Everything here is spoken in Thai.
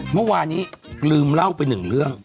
เมื่อวานนี้ลืมเล่าไปหนึ่งเรื่อง